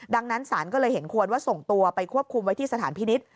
ดังนั้นศาลก็เลยเห็นควรว่าส่งตัวไปควบคุมไว้ที่สถานพินิษฐ์